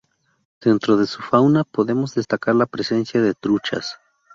Dentro de su fauna, podemos destacar la presencia de truchas.